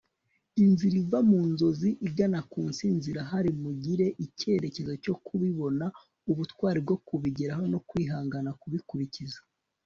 inzira iva mu nzozi igana ku ntsinzi irahari. mugire icyerekezo cyo kubibona, ubutwari bwo kubigeraho, no kwihangana kubikurikiza